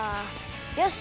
よし！